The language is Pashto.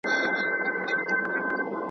او ابۍ به دي له کوم رنځه کړیږي!.